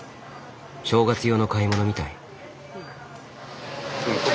正月用の買い物みたい。